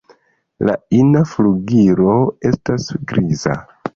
La ina flugilo estas griza.